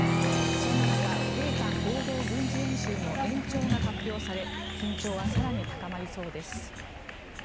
そんな中、米韓合同軍事演習の延長が発表され緊張は更に高まりそうです。